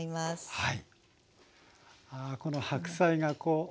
はい。